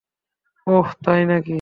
ওহ, তাই নাকি?